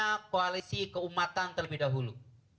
kita koalisi keumatan terlebih dahulu